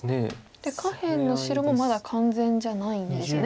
で下辺の白もまだ完全じゃないんですよね